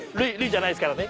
じゃないですからね。